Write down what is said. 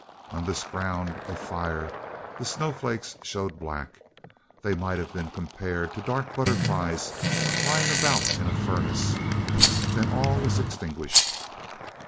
On this ground of fire the snow flakes showed black they might have been compared to dark butterflies flying about in a furnace then all was extinguished.